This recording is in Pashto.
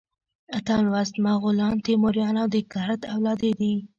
اتم لوست مغولان، تیموریان او د کرت اولادې دي.